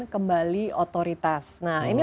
kembali otoritas nah ini